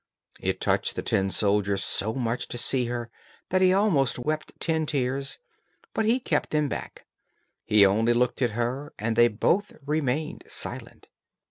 It touched the tin soldier so much to see her that he almost wept tin tears, but he kept them back. He only looked at her and they both remained silent.